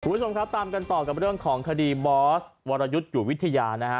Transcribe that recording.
คุณผู้ชมครับตามกันต่อกับเรื่องของคดีบอสวรยุทธ์อยู่วิทยานะฮะ